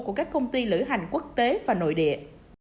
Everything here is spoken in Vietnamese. của các công ty lữ hành quốc tế và nội địa